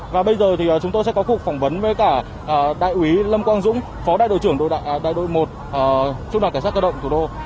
và bây giờ thì chúng tôi sẽ có cuộc phỏng vấn với cả đại úy lâm quang dũng phó đại đội trưởng đội đại đội một trung đoàn cảnh sát cơ động thủ đô